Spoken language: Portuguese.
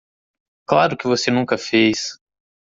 Claro que você nunca fez.